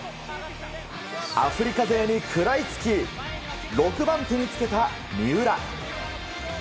アフリカ勢に食らいつき６番手につけた三浦。